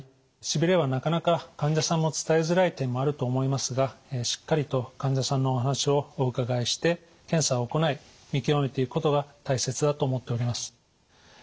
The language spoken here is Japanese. しびれはなかなか患者さんも伝えづらい点もあると思いますがしっかりと患者さんのお話をお伺いして検査を行い見極めていくことが大切だと思っております。